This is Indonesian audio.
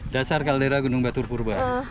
dasar kaldera gunung batur purba